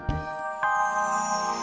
tidak ada apa apa